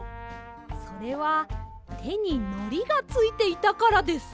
それはてにのりがついていたからです。